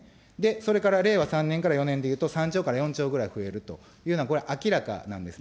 それから令和３年から４年でいうと、３兆から４兆ぐらい増えるというのは、これ、明らかなんですね。